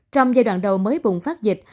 trong giai đoạn đầu mới bùng phát dịch